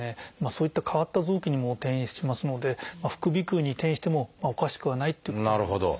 そういった変わった臓器にも転移しますので副鼻腔に転移してもおかしくはないっていうことになります。